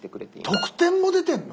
得点も出てるの？